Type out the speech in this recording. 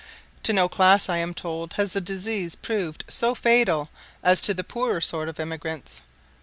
To no class, I am told, has the disease proved so fatal as to the poorer sort of emigrants.